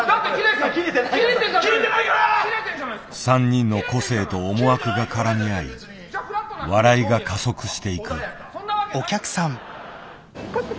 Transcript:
３人の個性と思惑が絡み合い笑いが加速していく。